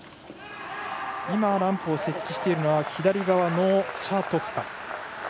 今、ランプを設置しているのは謝徳樺。